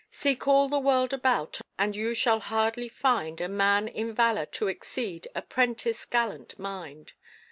Seek all the world about And you shall hardly find A man in valour to exceed A prentice' gallant mind."